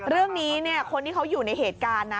เรื่องนี้เนี่ยคนที่เขาอยู่ในเหตุการณ์นะ